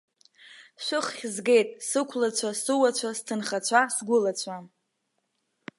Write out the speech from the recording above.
Шәыххь згеит, сықәлацәа, суацәа, сҭынхацәа, сгәылацәа!